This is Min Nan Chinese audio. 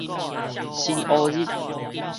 新烏日